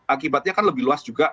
akibatnya kan lebih luas juga